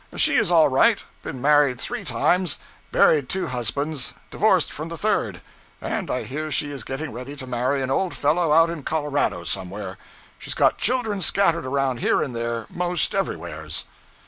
'She is all right. Been married three times; buried two husbands, divorced from the third, and I hear she is getting ready to marry an old fellow out in Colorado somewhere. She's got children scattered around here and there, most everywheres.'